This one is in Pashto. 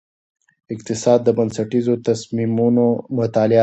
اقتصاد د بنسټیزو تصمیمونو مطالعه ده.